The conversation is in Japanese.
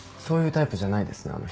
そういうタイプじゃないですね